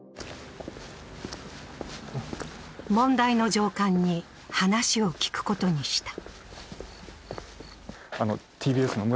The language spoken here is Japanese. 問題の上官に話を聞くことにした。